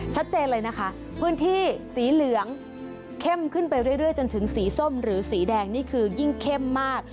ชัดเจนเลยนะคะพื้นที่สีเหลืองเข้มขึ้นไปเรื่อยจนถึงสีส้มหรือสีแดงนี่คือยิ่งเข้มมาก